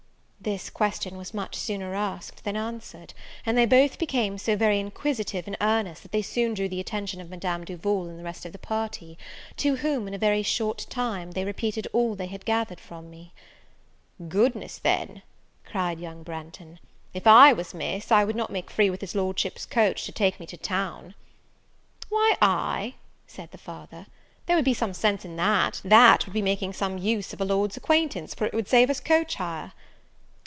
This question was much sooner asked than answered; and they both became so very inquisitive and earnest, that they soon drew the attention of Madame Duval and the rest of the party; to whom, in a very short time, they repeated all they had gathered from me. "Goodness, then," cried young Branghton, "if I was Miss, if I would not make free with his Lordship's coach, to take me to town." "Why, ay," said the father, "there would be some sense in that; that would be making some use of a Lord's acquaintance, for it would save us coach hire."